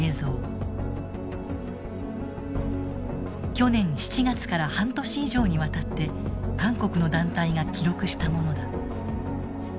去年７月から半年以上にわたって韓国の団体が記録したものだ。